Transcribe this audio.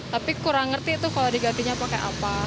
tapi kurang ngerti tuh kalau digantinya pakai apa